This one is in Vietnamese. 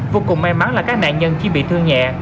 vô cùng may mắn là các nạn nhân chỉ bị thương nhẹ